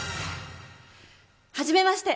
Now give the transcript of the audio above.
はじめまして。